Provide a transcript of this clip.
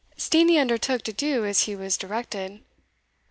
Steenie undertook to do as he was directed.